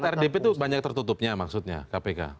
rdp itu banyak tertutupnya maksudnya kpk